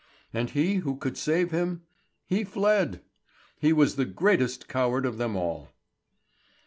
And he who could save him? He fled! He was the greatest coward of them all.